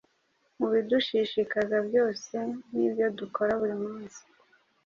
mu bidushishikaza byose n’ibyo dukora buri munsi.